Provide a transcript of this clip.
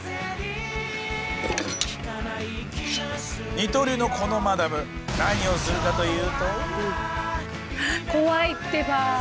二刀流のこのマダム何をするかというと。